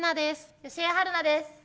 吉江晴菜です。